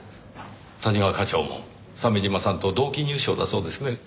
谷川課長も鮫島さんと同期入省だそうですね？